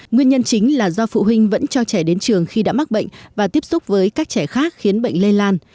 nguyên nhân chính là do phụ huynh vẫn cho trẻ đến trường khi đã mắc bệnh và tiếp xúc với các trẻ khác khiến bệnh lây lan